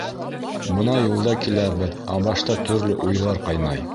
Бына юлда киләбеҙ, ә башта төрлө уйҙар ҡайнай.